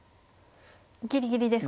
ギリギリですか。